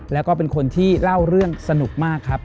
แล้วก็เป็นคนที่เล่าเรื่องสนุกมากครับ